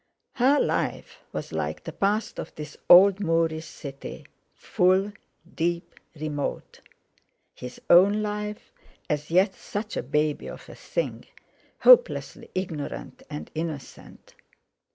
Her life was like the past of this old Moorish city, full, deep, remote—his own life as yet such a baby of a thing, hopelessly ignorant and innocent!